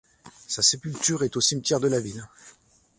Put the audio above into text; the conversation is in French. Sa sépulture est au cimetière de la ville.